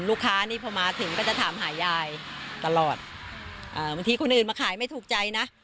นี่พอมาถึงก็จะถามหายายตลอดบางทีคนอื่นมาขายไม่ถูกใจนะ